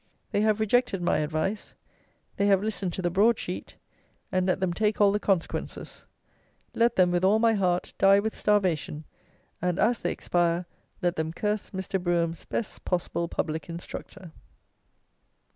They have rejected my advice; they have listened to the broad sheet; and let them take all the consequences. Let them, with all my heart, die with starvation, and as they expire, let them curse Mr. BROUGHAM'S best possible public Instructor."